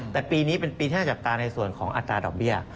แต่ปีนี้เป็นปีที่น่าจับตาในส่วนของอัตราดอกเบี้ย